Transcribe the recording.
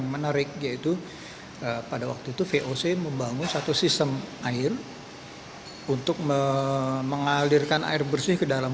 menarik yaitu pada waktu itu voc membangun satu sistem air untuk mengalirkan air bersih ke dalam